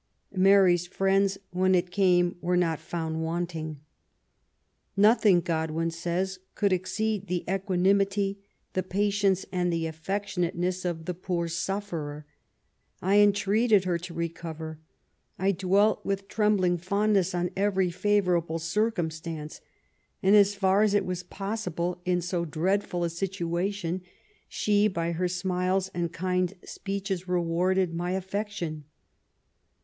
Mary's friends, when it came, were not found wanting. " Nothing,'' Godwin says, '* could exceed the equa nimity, the patience, and affectionateness of the poor sufferer. I entreated her to recover ; I dwelt with trembling fondness on every favourable circumstance ; and, as far as it was possible in so dreadful a situation, she, by her smiles and kind speeches, rewarded my LAST MONTHS: DEATH. 203 affection."